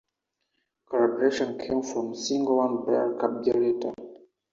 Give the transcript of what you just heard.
Carburetion came from a single one-barrel carburetor.